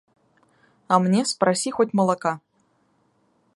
А мне спроси хоть молока.